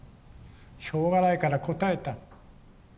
しょうがないから答えた。